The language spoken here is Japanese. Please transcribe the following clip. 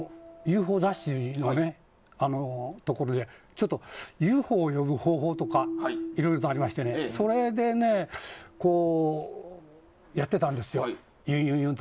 雑誌のところでＵＦＯを呼ぶ方法とかいろいろとありましてそれでやってたんですよ。